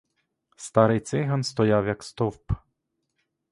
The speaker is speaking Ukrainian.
Старий циган стояв як стовп.